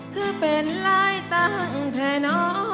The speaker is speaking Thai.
คือเป็นรายตังแทนอ้อ